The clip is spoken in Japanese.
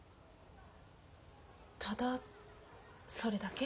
ただそれだけ？